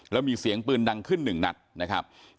แล้วมีเสียงปืนดังขึ้นหนึ่งนัดนะครับ